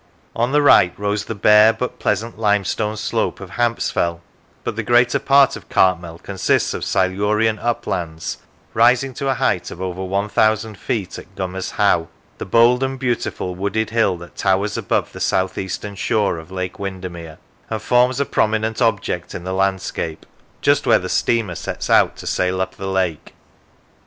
On the right rose the bare but pleasant limestone slope of Hampsfell, but the greater part of Cartmel consists of Silurian uplands, rising to a height of over 1,000 feet at Gummer's How, the bold and beautiful wooded hill that towers above the south eastern shore of Lake Windermere, and forms a prominent object in the landscape, just where the steamer sets out to sail up the lake.